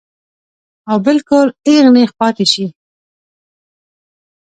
او بالکل اېغ نېغ پاتې شي -